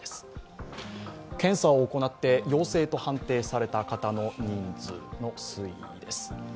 検査を行って陽性と確認された方の人数です。